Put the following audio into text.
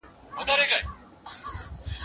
موږ باید د تاریخ په اړه دقیق معلومات ولرو.